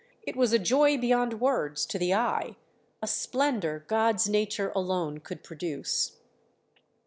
It was a joy beyond words to the eye, a splendour God's nature alone could produce.